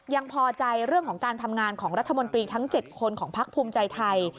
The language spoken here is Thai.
พอใจเรื่องของการทำงานของรัฐมนตรีทั้ง๗คนของพักภูมิใจไทย